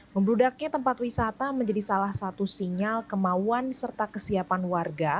membludaknya tempat wisata menjadi salah satu sinyal kemauan serta kesiapan warga